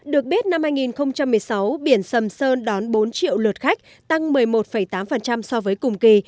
được biết năm hai nghìn một mươi sáu biển sầm sơn đón bốn triệu lượt khách tăng một mươi một tám so với cùng kỳ